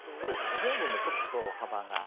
ホームもちょっと幅が。